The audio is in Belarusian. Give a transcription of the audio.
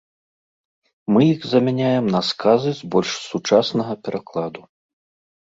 Мы іх замяняем на сказы з больш сучаснага перакладу.